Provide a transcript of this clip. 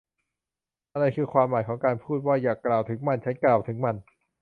อะไรคือความหมายของการพูดว่า อย่ากล่าวถึงมัน ฉันกล่าวถึงมัน